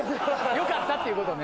よかったっていうことね。